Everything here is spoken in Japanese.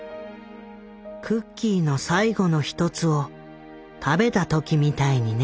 「クッキーの最後の１つを食べた時みたいにね」。